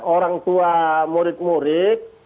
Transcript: orang tua murid murid